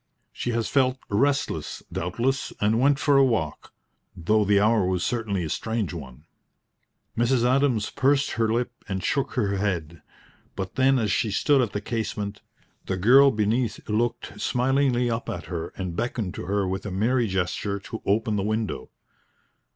"She has felt restless, doubtless, and went for a walk, though the hour was certainly a strange one." Mrs. Adams pursed her lip and shook her head. But then as she stood at the casement, the girl beneath looked smilingly up at her and beckoned to her with a merry gesture to open the window.